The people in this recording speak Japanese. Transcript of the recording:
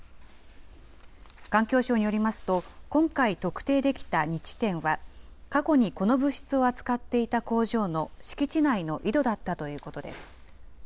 環境省によりますと、今回、特定できた２地点は、過去にこの物質を扱っていた工場の敷地内の井戸だったということです。